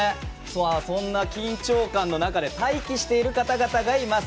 そんな緊張感の中で待機している方々がいます。